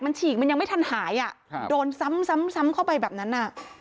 มันฉีกมันยังไม่ทันหายโดนซ้ำเข้าไปแบบนั้น